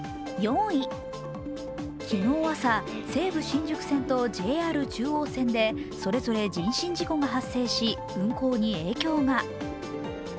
昨日朝、西武新宿線とＪＲ中央線でそれぞれ人身事故が発生し、運行に影響が。